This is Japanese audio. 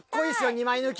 ２枚抜き。